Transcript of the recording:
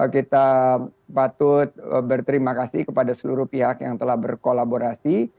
kita patut berterima kasih kepada seluruh pihak yang telah berkolaborasi